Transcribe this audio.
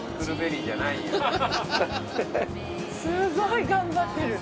すごい頑張ってる。